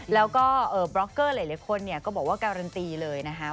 แล้วก็บล็อกเกอร์หลายคนเนี่ยก็บอกว่าการันตีเลยนะคะ